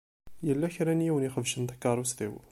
Yella kra n yiwen i ixebcen takeṛṛust-iw.